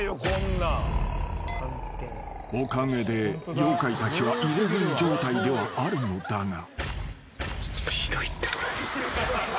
［おかげで妖怪たちは入れ食い状態ではあるのだが］